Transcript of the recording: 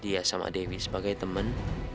dia sama dewi sebagai teman